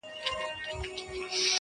وړي لمبه پر سر چي شپه روښانه کړي!